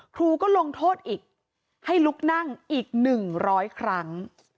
ครูก็ลงโทษอีกให้ลุกนั่งอีก๑๐๐ครั้ง